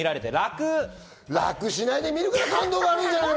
楽しないで見るから感動があるんじゃないの！